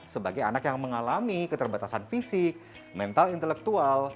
sebagai anak yang mengalami keterbatasan fisik mental intelektual